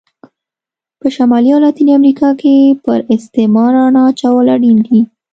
په شمالي او لاتینې امریکا کې پر استعمار رڼا اچول اړین دي.